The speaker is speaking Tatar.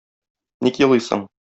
Ник елыйсың?